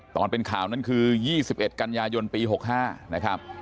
ตอนเป็นข่าวนั้นคือ๒๑กันยายนปี๖๕นะครับ